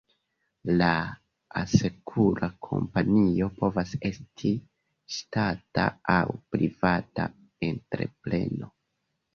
La asekura kompanio povas esti ŝtata aŭ privata entrepreno.